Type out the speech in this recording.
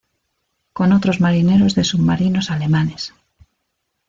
Con otros marineros de submarinos alemanes.